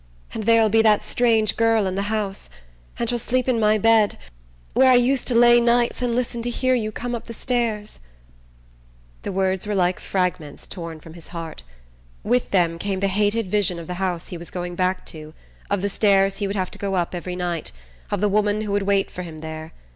And there'll be that strange girl in the house... and she'll sleep in my bed, where I used to lay nights and listen to hear you come up the stairs..." The words were like fragments torn from his heart. With them came the hated vision of the house he was going back to of the stairs he would have to go up every night, of the woman who would wait for him there.